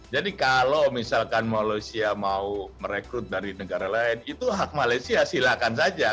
jadi kalau misalkan malaysia mau merekrut dari negara lain itu hak malaysia silakan saja